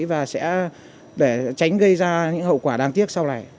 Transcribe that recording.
và sẽ để tránh gây ra những hậu quả đáng tiếc sau này